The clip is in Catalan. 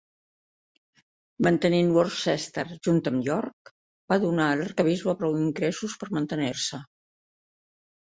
Mantenint Worcester junt amb York va donar a l'arquebisbe prou ingressos per mantenir-se.